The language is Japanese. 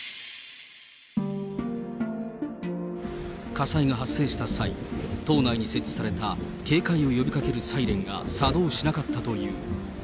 火災が発生した際、島内に設置された警戒を呼びかけるサイレンが作動しなかったという。